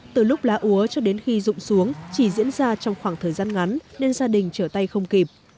từ lúc lá úa cho đến khi rụng xuống chỉ diễn ra trong khoảng thời gian ngắn nên gia đình trở tay không kịp